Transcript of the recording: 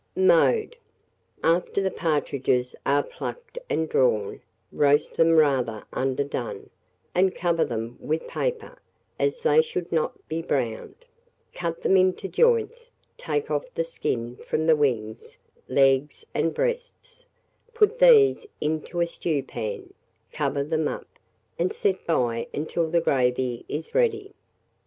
Mode. After the partridges are plucked and drawn, roast them rather underdone, and cover them with paper, as they should not be browned; cut them into joints, take off the skin from the wings, legs, and breasts; put these into a stewpan, cover them up, and set by until the gravy is ready.